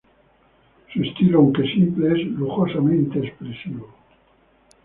Su estilo, aunque simple, es lujosamente expresivo.